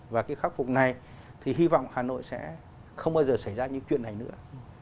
và cái khắc phục này thì hy vọng hà nội sẽ không bao giờ xảy ra những chuyện này nữa